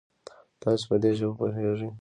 تاسو په دي ژبه پوهږئ؟